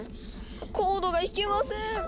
コードが弾けません。